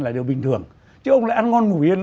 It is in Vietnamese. là điều bình thường chứ ông lại ăn ngon ngủ yên